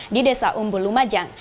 di desa umbul lumajang